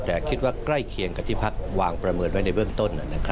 แต่คิดว่าใกล้เคียงกับที่พักวางประเมินไว้ในเบื้องต้น